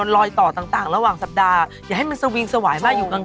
เราก็ต้องระวังหน่อยใส่ชีวิตชีวาเข้าไป